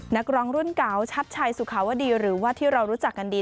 นักร้องรุ่นเก่าชัดชัยสุขาวดีหรือว่าที่เรารู้จักกันดี